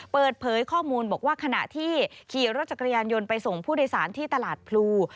เปิดเผยข้อมูลบอกว่าขณะที่ขี่รถจักรยานยนต์ไปส่งผู้โดยสารที่ตลาดพลู